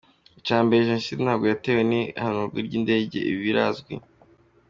Icya mbere Jenoside ntabwo yatewe n’ihanurwa ry’indege, ibi birazwi.